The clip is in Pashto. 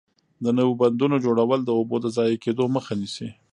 د نويو بندونو جوړول د اوبو د ضایع کېدو مخه نیسي.